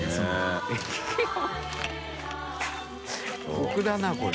「徳」だなこれ。